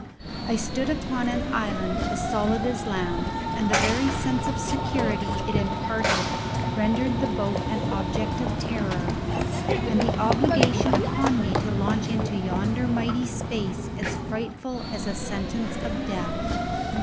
I stood upon an island as solid as land, and the very sense of security it imparted rendered the boat an object of terror, and the obligation upon me to launch into yonder mighty space as frightful as a sentence of death.